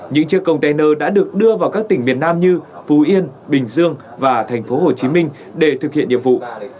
những chiếc container đã được đưa vào các tỉnh miền nam như phú yên bình dương và thành phố hồ chí minh để thực hiện nhiệm vụ